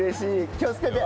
気をつけて。